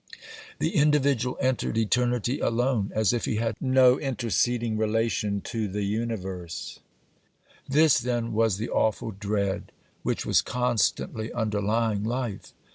The individual entered eternity alone, as if he had no interceding relation the universe. This, then, was the awful dread which was constantly underlying life.